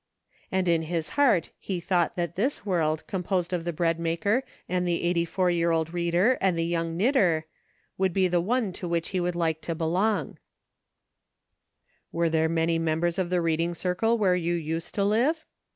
And in his heart he thought that this world, com posed of the bread maker, and the eighty four year old reader, and the young knitter, would be the one to which he would like to belong. DIFFERING WORLDS. 205 " Were there many members of the reading cir cle where you used to live